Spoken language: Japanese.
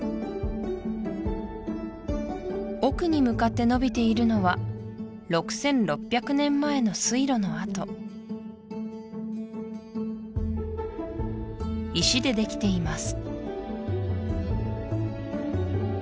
奥に向かって延びているのは６６００年前の水路の跡石でできています